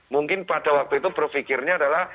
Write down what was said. mungkin pada waktu itu berpikirnya adalah